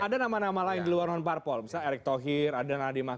ada nama nama lain di luar non parpol misalnya erick thohir ada nadiemah